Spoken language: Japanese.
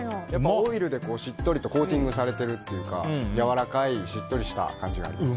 オイルでしっとりとコーティングされてるっていうかやわらかいしっとりした感じになるんですね。